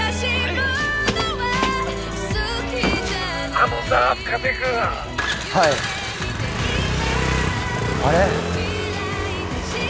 ☎あのさあ深瀬君はいあれ？